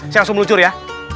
saya langsung meluncur ya